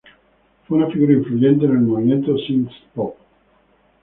Fue una figura influyente en el movimiento synth pop.